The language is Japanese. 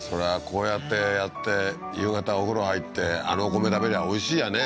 こうやってやって夕方お風呂入ってあのお米食べりゃおいしいやね